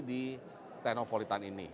di teknopolitan ini